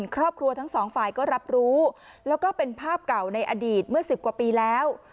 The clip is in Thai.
ครอบครัวทั้งสองฝ่ายก็รับรู้แล้วก็เป็นภาพเก่าในอดีตเมื่อ๑๐กว่าปีแล้ว